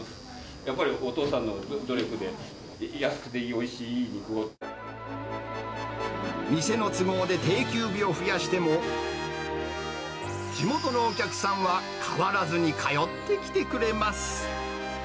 やっぱりお父さんの努力で、店の都合で定休日を増やしても、地元のお客さんは変わらずに通ってきてくれます。